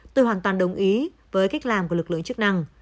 tôi hoàn toàn đồng ý với cách làm của lực lượng chức năng